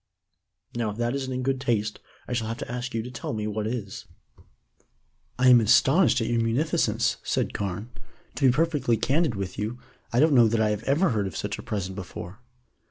Now, if that isn't in good taste, I shall have to ask you to tell me what is." "I am astonished at your munificence," said Carne. "To be perfectly candid with you, I don't know that I have ever heard of such a present before."